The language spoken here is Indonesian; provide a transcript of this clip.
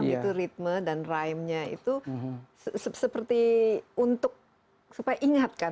itu ritme dan rhyme nya itu seperti untuk supaya ingatkan